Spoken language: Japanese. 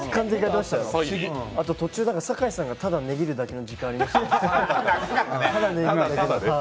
あと、途中から酒井さんがただ値切るだけの時間ありましたね。